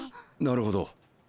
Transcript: なるほど。